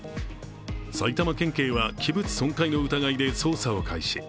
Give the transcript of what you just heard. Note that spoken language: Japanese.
埼玉県警は器物損壊の疑いで捜査を開始。